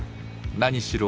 何しろ